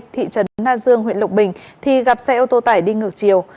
thị trấn na dương huyện lộc bình thì gặp xe ô tô tải đi ngược chiều